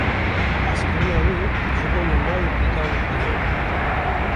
Hezkirina wê ji bo min nayê pîtav û pîvan.